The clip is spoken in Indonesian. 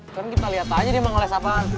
kan kita liat aja dia mau ngoles apaan